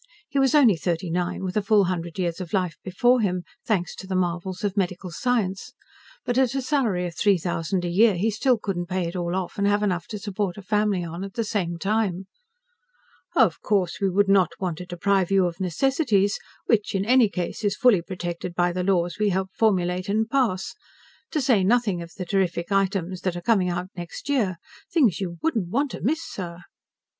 He was only thirty nine, with a full hundred years of life before him, thanks to the marvels of medical science. But at a salary of three thousand a year, he still couldn't pay it all off and have enough to support a family on at the same time. "Of course, we would not want to deprive you of necessities, which in any case is fully protected by the laws we helped formulate and pass. To say nothing of the terrific items that are coming out next year. Things you wouldn't want to miss, sir!"